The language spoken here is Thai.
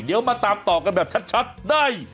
เดี๋ยวมาตามต่อกันแบบชัดได้